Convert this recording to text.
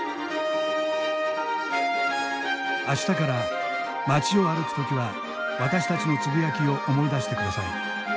明日から街を歩く時は私たちのつぶやきを思い出して下さい。